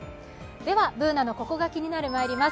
Ｂｏｏｎａの「ココがキニナル」、まいります。